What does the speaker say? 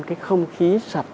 cái không khí sạch